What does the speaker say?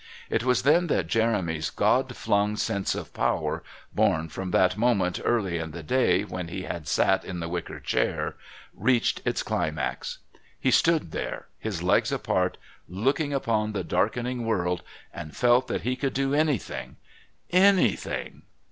It was then that Jeremy's God flung sense of power, born from that moment early in the day when he had sat in the wicker chair, reached its climax. He stood there, his legs apart, looking upon the darkening world and felt that he could do anything anything...